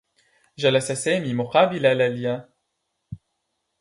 جلس سامي مقابل ليلى